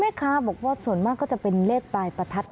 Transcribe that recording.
แม่ค้าบอกว่าส่วนมากก็จะเป็นเลขปลายประทัด